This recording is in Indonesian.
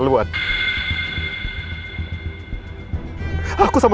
aku hampir mati